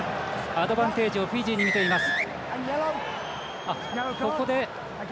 アドバンテージをフィジーに見ています。